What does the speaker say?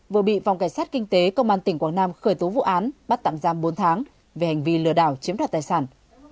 vừa bị phòng cảnh sát kinh tế công an tỉnh quảng nam khởi tố vụ án bắt tạm giam bốn tháng về hành vi lừa đảo chiếm đoạt tài sản